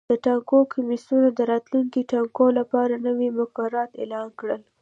د ټاکنو کمیسیون د راتلونکو ټاکنو لپاره نوي مقررات اعلان کړل.